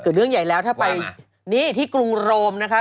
เรื่องใหญ่แล้วถ้าไปนี่ที่กรุงโรมนะคะ